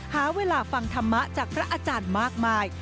หาเวลาฟังธรรมะจากพระอาจารย์มากมาย